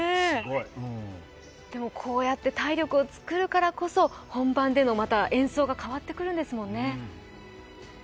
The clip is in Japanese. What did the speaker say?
こうやって体力を作るからこそ本番での演奏も変わってくるんですもんね。